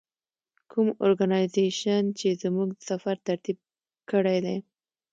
کوم ارګنایزیشن چې زموږ سفر ترتیب کړی دی.